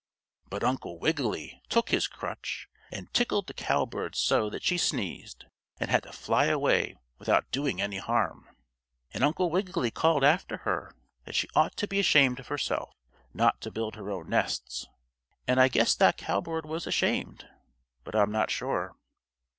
But Uncle Wiggily took his crutch, and tickled the cowbird so that she sneezed, and had to fly away without doing any harm. And Uncle Wiggily called after her that she ought to be ashamed of herself not to build her own nests. And I guess that cowbird was ashamed, but I'm not sure.